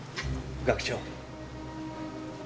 学長。